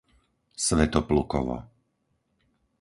Svätoplukovo